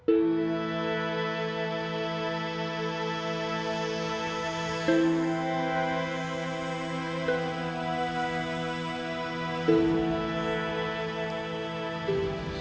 aku tidak akan mencari kamu lagi